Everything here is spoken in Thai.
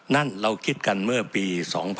นั่นเราคิดกันเมื่อปี๒๕๖๒